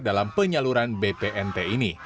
dalam penyaluran bpnt ini